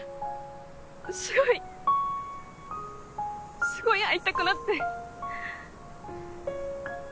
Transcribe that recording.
すごいすごい会いたくなって。